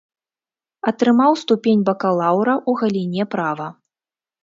Атрымаў ступень бакалаўра ў галіне права.